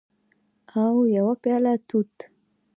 او یوه پیاله توت